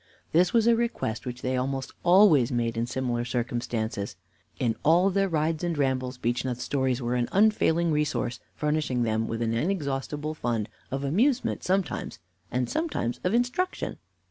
This was a request which they almost always made in similar circumstances. In all their rides and rambles Beechnut's stories were an unfailing resource, furnishing them with an inexhaustible fund of amusement sometimes, and sometimes of instruction.